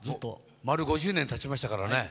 丸５０年たちましたからね。